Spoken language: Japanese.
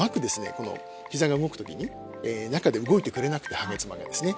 このひざが動く時に中で動いてくれなくて半月板がですね